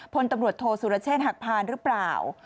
พลตำรวจโทษสุรเชษฐหักพานหรือเปล่า